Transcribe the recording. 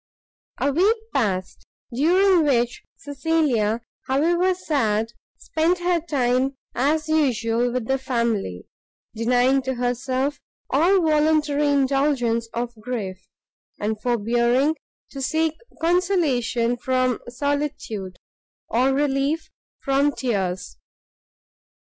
A week passed, during which Cecilia, however sad, spent her time as usual with the family, denying to herself all voluntary indulgence of grief, and forbearing to seek consolation from solitude, or relief from tears.